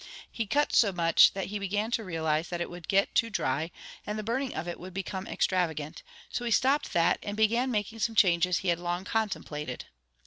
He cut so much that he began to realize that it would get too dry and the burning of it would become extravagant, so he stopped that and began making some changes he had long contemplated.